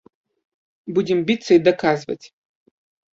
Будзем біцца і даказваць.